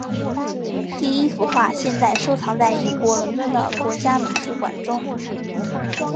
第一幅画现在收藏在英国伦敦的国家美术馆中。